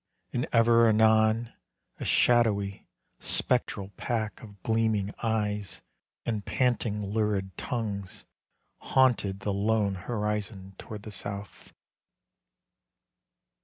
And ever anon a shadowy, spectral pack Of gleaming eyes and panting, lurid tongues Haunted the lone horizon toward the south.